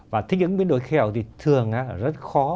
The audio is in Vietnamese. và thích ứng biến đổi khí hậu thì thường rất khó